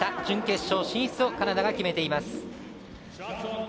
準決勝進出をカナダが決めています。